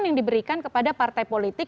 yang diberikan kepada partai politik